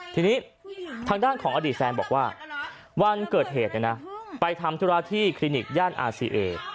ทีนี้ทางด้านของอดีตแฟนบอกว่าวันเกิดเหตุไปทำธุระที่คลินิกย่านอาซีเอ